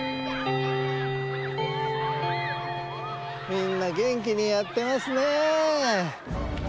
みんなげんきにやってますね。